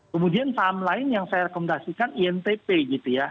kemudian saham lain yang saya rekomendasikan intp gitu ya